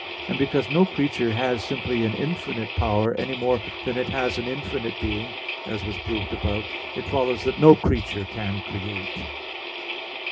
And because no creature has simply an infinite power, any more than it has an infinite being, as was proved above (Q. 7, A. 2), it follows that no creature can create.